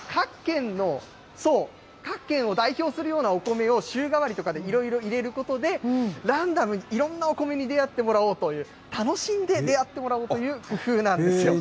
各県を代表するようなお米を週替わりとかで色々入れることで、ランダムにいろんなお米に出会ってもらおうという、楽しんで出会ってもらおうという工夫なんですよ。